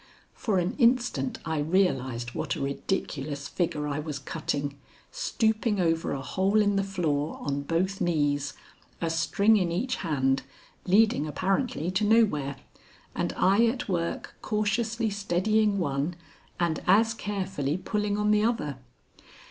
For an instant I realized what a ridiculous figure I was cutting, stooping over a hole in the floor on both knees, a string in each hand, leading apparently to nowhere, and I at work cautiously steadying one and as carefully pulling on the other.